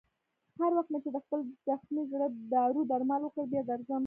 هر وخت مې چې د خپل زخمي زړه دارو درمل وکړ، بیا درځم.